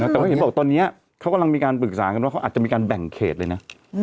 แต่ว่าเห็นบอกตอนนี้เขากำลังมีการปรึกษากันว่าเขาอาจจะมีการแบ่งเขตเลยนะ